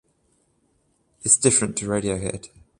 It’s different to Radiohead.